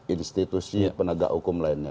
institusi penegak hukum lainnya